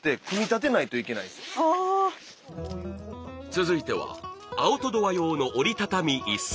続いてはアウトドア用の折り畳み椅子。